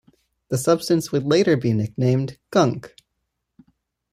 The substance would later be nicknamed, Gunk.